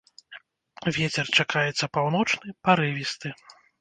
Вецер чакаецца паўночны, парывісты.